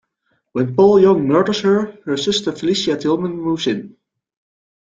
When Paul Young murders her, her sister Felicia Tilman moves in.